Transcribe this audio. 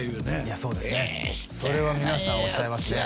あれはそれは皆さんおっしゃいますね